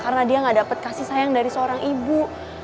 karena dia gak dapat kasih sayang dari seorang ibu